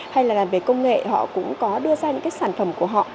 hay là làm về công nghệ họ cũng có đưa ra những cái sản phẩm của họ